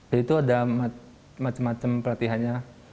jadi itu ada macam macam pelatihannya